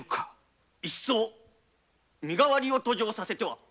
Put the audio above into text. いっそ身代わりを登城させては。